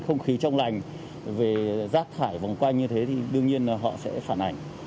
không khí trong lành về rác thải vòng quanh như thế thì đương nhiên là họ sẽ phản ảnh